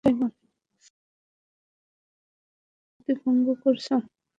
সন্ধিচুক্তি তোমার সেনাপতি ভঙ্গ করেছে।